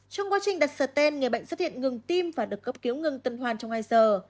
trong quá trình đặt sở tên người bệnh xuất hiện ngừng tim và được cấp cứu ngừng tấn hoàn trong hai giờ